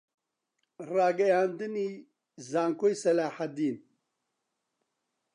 ڕاگەیاندنی زانکۆی سەلاحەددین